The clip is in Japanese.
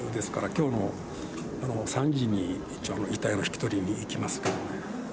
きょうの３時に一応、遺体の引き取りに行きますけどね。